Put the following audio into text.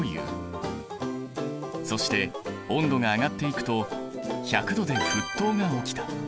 そして温度が上がっていくと１００℃で沸騰が起きた。